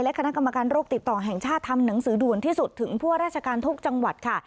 คณะกรรมการโรคติดต่อแห่งชาติทำหนังสือด่วนที่สุดถึงพวกราชการทุกจังหวัดค่ะ